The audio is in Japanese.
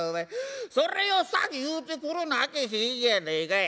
それを先言うてくれなあけへんやないかい。